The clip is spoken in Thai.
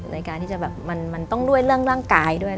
ในการที่จะแบบมันต้องด้วยเรื่องร่างกายด้วย